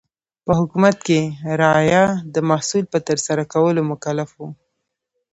په حکومت کې رعایا د محصول په ترسره کولو مکلف و.